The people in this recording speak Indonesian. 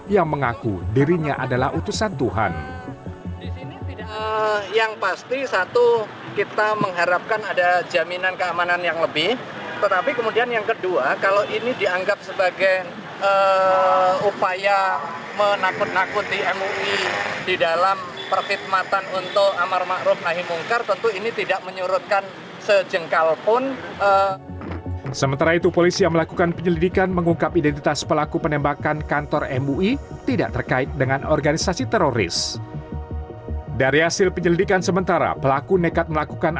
yang mengaku dirinya adalah utusan tuhan